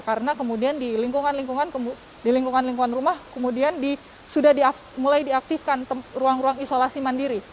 karena kemudian di lingkungan lingkungan rumah kemudian sudah mulai diaktifkan ruang ruang isolasi mandiri